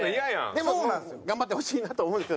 でも頑張ってほしいなとは思う。